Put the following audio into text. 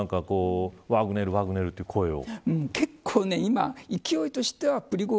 民衆のワグネルワグネルという声を。